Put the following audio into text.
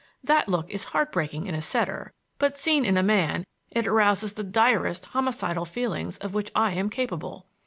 That look is heartbreaking in a setter, but, seen in a man, it arouses the direst homicidal feelings of which I am capable.